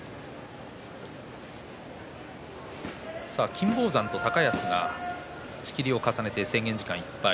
金峰山と高安が仕切りを重ねて制限時間いっぱい。